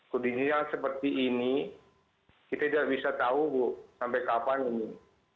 kondisi yang seperti ini kita tidak bisa tahu bu sampai kapan ini